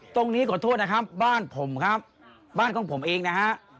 ตรงนี้ขอโทษนะครับบ้านผมครับบ้านของผมเองนะฮะ